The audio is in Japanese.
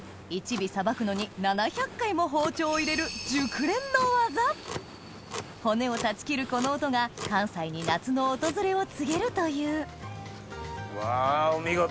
１尾さばくのに７００回も包丁を入れる骨を断ち切るこの音が関西に夏の訪れを告げるというわお見事！